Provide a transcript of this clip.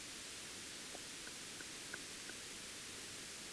Mifugo aina zote wanaweza kuathirika na ugonjwa wa kizunguzungu